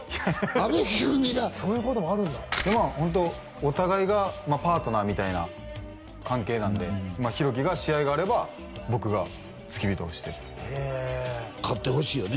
阿部一二三がそういうこともあるんだでもホントお互いがパートナーみたいな関係なんで弘貴が試合があれば僕が付き人をしてって勝ってほしいよね